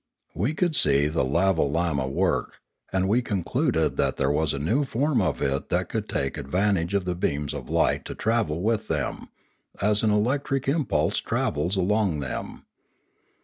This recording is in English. We could see the lavolamma work, and we concluded that there was a new form of it that could take advan tage of beams of light to travel with them, as an elec tric impulse travels along them.